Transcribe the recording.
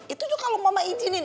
itu juga kalau mama izinin